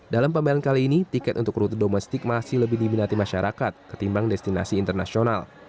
dalam pameran kali ini tiket untuk rute domestik masih lebih diminati masyarakat ketimbang destinasi internasional